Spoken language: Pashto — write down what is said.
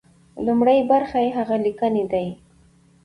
لومړۍ برخه يې هغه ليکنې دي.